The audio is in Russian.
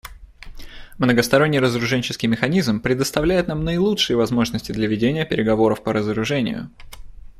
Многосторонний разоруженческий механизм предоставляет нам наилучшие возможности для ведения переговоров по разоружению.